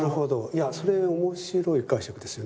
いやそれ面白い解釈ですよね。